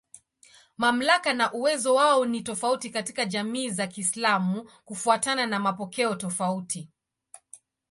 Mamlaka na uwezo wao ni tofauti katika jamii za Kiislamu kufuatana na mapokeo tofauti.